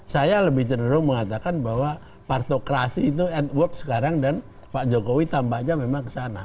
saya lebih cenderung mengatakan bahwa partokrasi itu ad work sekarang dan pak jokowi tampaknya memang kesana